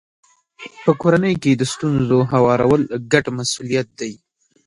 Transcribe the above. په کورنۍ کې د ستونزو هوارول ګډ مسولیت دی.